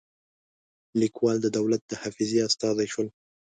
لیکوال د دولت د حافظې استازي شول.